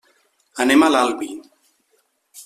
Anem a l'Albi.